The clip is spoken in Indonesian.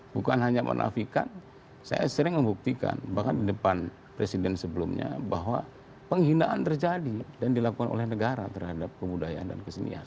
bukan hanya pak nafikan saya sering membuktikan bahkan di depan presiden sebelumnya bahwa penghinaan terjadi dan dilakukan oleh negara terhadap kebudayaan dan kesenian